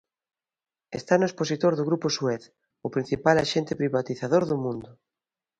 Está no expositor do Grupo Suez, o principal axente privatizador do mundo.